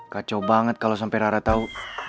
kacau banget kalo sampe rara tau